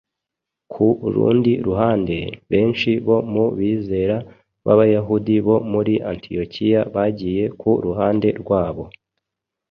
Ku rundi ruhande, benshi bo mu bizera b’Abayahudi bo muri Antiyokiya bagiye ku ruhande rw’abo